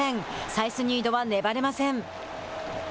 サイスニードは粘れません。